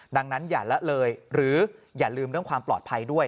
ดังนั้นอย่าละเลยหรืออย่าลืมเรื่องความปลอดภัยด้วย